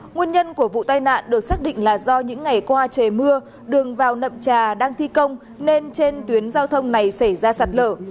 nguyên nhân của vụ tai nạn được xác định là do những ngày qua trời mưa đường vào nậm trà đang thi công nên trên tuyến giao thông này xảy ra sạt lở